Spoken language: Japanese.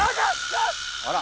あら。